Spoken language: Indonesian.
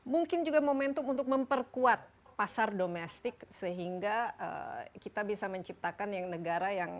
mungkin juga momentum untuk memperkuat pasar domestik sehingga kita bisa menciptakan yang negara yang